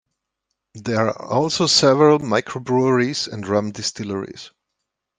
There are also several microbreweries and rum distilleries.